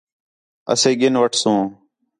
اسے ڳِن وٹھسوں